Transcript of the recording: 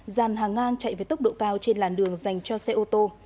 dàn hàng ngang chạy với tốc độ cao trên làn đường dành cho xe ô tô